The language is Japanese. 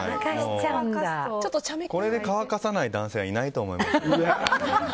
これで乾かさない男性いないと思います。